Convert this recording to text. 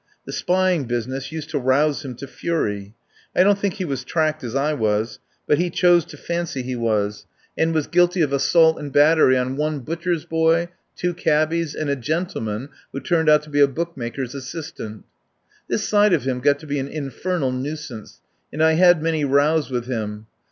The spy ing business used to rouse him to fury. I don't think he was tracked as I was, but he chose to fancy he was, and was guilty of assault and 119 THE POWER HOUSE battery on one butcher's boy, two cabbies, and a gentleman who turned out to be a bookmak er's assistant. This side of him got to be an infernal nuisance, and I had many rows with him.